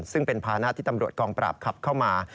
ซึ่งเป็นภานะที่ตำรวจกองปราบขับเข้ามา